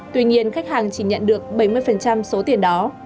tuy nhiên khách hàng chỉ nhận được bảy mươi số tiền đó